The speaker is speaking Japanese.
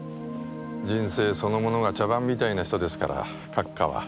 人生そのものが茶番みたいな人ですから閣下は。